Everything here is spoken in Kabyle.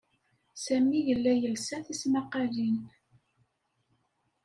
Sami yella yelsa tismaqalin.